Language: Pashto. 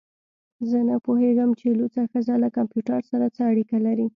زه نه پوهیږم چې لوڅه ښځه له کمپیوټر سره څه اړیکه لري